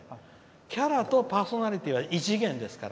キャラとパーソナリティーは異次元ですから。